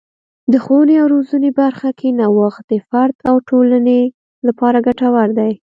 د ښوونې او روزنې برخه کې نوښت د فرد او ټولنې لپاره ګټور دی.